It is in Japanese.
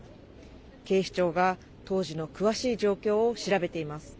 警視庁が当時の詳しい状況を調べています。